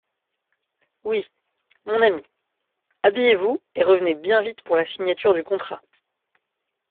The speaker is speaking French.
Oui, mon ami… habillez-vous et revenez bien vite pour la signature du contrat…